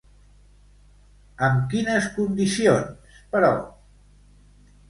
Amb quines condicions, però?